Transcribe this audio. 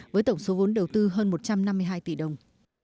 với tổng số vốn đầu tư hơn một trăm năm mươi hai tỷ đồng